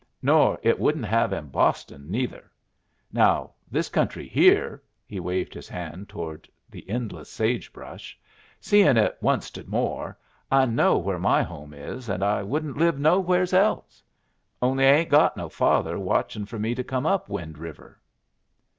Nor it wouldn't have in Boston neither. Now this country here" (he waved his hand towards the endless sage brush), "seein' it onced more, I know where my home is, and I wouldn't live nowheres else. Only I ain't got no father watching for me to come up Wind River."